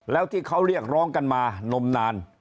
แล้วที่เขาเรียกร้องกันมานมนาน